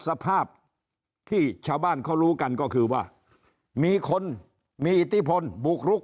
สภาพที่ชาวบ้านเขารู้กันก็คือว่ามีคนมีอิทธิพลบุกรุก